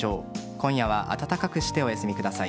今夜は暖かくしてお休みください。